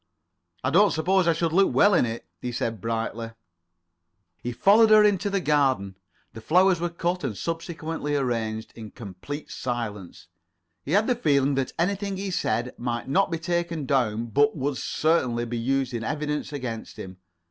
"I don't suppose I should look well in it," he said brightly. He followed her into the garden. The flowers were cut, and subsequently arranged, in complete silence. He [Pg 27]had the feeling that anything he said might not be taken down, but would certainly be used in evidence against him.